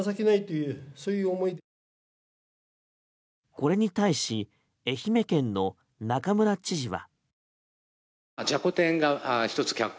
これに対し愛媛県の中村知事は。